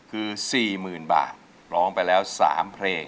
หนักกว่าเดิมนะระหว่างคุณพ่อคุณแม่ใครชอบร้องเพลง